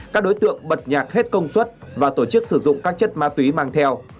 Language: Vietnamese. các đối tượng bật nhạc hết công suất và tổ chức sử dụng các chất ma túy mang theo